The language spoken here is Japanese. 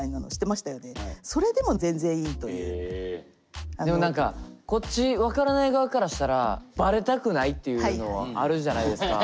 今倉木さん最後にでも何かこっち分からない側からしたらバレたくないっていうのあるじゃないですか。